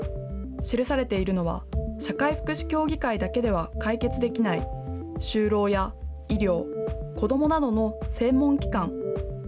記されているのは、社会福祉協議会だけでは解決できない就労や医療、子どもなどの専門機関。